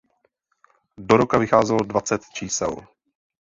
Do roka vycházelo dvacet čísel.